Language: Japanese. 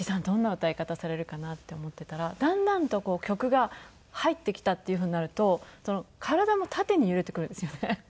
どんな歌い方されるかなって思ってたらだんだんと曲が入ってきたっていうふうになると体も縦に揺れてくるんですよね。